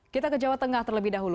kita ke jawa tengah terlebih dahulu